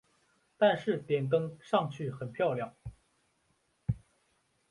但是点灯上去很漂亮